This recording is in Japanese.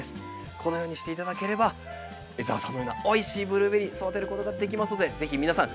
こんなふうにしていただければ江澤さんのようなおいしいブルーベリー育てることができますのでぜひ皆さん